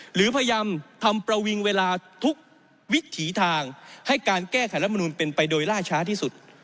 หรือพยายามทำประวิงเวลาทุกวิถีทางให้การแก้ไขรัฐมนุนเป็นไปโดยล่าช้าที่สุด